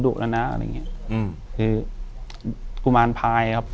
อยู่ที่แม่ศรีวิรัยิลครับ